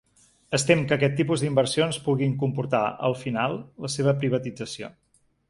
Es tem que aquest tipus d’inversions puguin comportar, al final, la seva privatització.